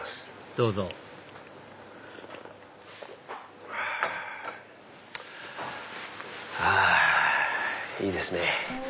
どうぞはぁいいですね。